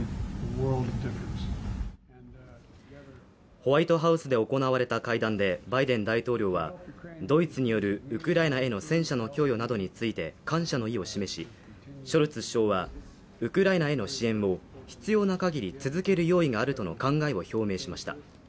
ホワイトハウスで行われた会談で、バイデン大統領はドイツによるウクライナへの戦車の供与などについて感謝の意を示し、ショルツ首相はウクライナへの支援を必要な限り続ける用意があるとの考えを表明しました。